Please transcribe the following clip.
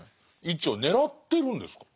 位置を狙ってるんですか？